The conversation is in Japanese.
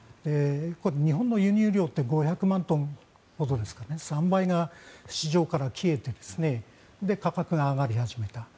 日本の輸入量って５００万トンほどですから３倍が市場から消えて価格が上がり始めた。